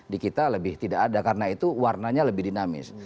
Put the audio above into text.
di kita lebih tidak ada karena itu warnanya lebih dinamis